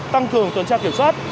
tăng cường tuần tra kiểm soát